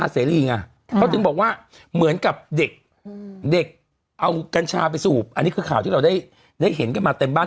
สรุปแล้วเนี่ย